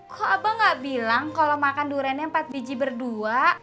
kok abang gak bilang kalau makan duriannya empat biji berdua